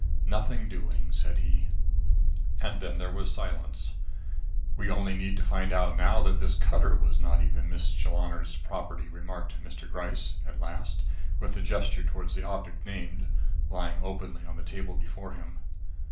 "Nothing doing," said he. And then there was silence. "We only need to find out now that this cutter was not even Miss Challoner's property," remarked Mr. Gryce, at last, with a gesture towards the object named, lying openly on the table before him.